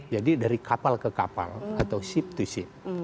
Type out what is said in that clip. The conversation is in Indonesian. dari kapal ke kapal atau ship to ship